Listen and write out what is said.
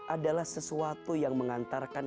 adalah sesuatu yang mengantarkan